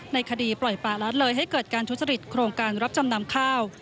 ในคดีปล่อยป่าละเลยให้เกิดการทุจริตโครงการรับจำนำข้าว